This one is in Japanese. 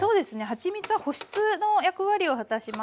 はちみつは保湿の役割を果たします。